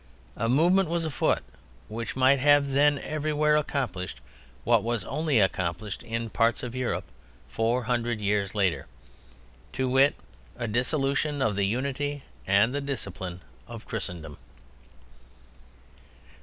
A movement was afoot which might have then everywhere accomplished what was only accomplished in parts of Europe four hundred years later, to wit, a dissolution of the unity and the discipline of Christendom.